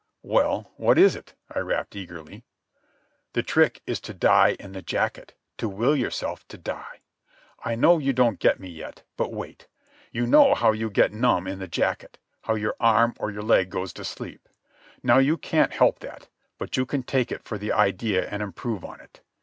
"Well, what is it?" I rapped eagerly. "The trick is to die in the jacket, to will yourself to die. I know you don't get me yet, but wait. You know how you get numb in the jacket—how your arm or your leg goes to sleep. Now you can't help that, but you can take it for the idea and improve on it.